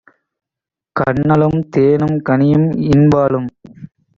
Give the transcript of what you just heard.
கன்னலும் தேனும் கனியும் இன் பாலும்